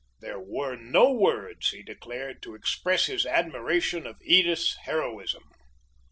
There were no words, he declared, to express his admiration of Edith's "heroism."